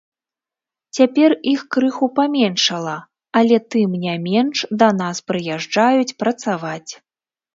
Цяпер іх крыху паменшала, але тым не менш да нас прыязджаюць працаваць.